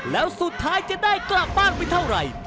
แล้วสุดท้ายจะได้กลับบ้านไปเท่าไหร่